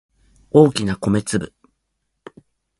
大きな米粒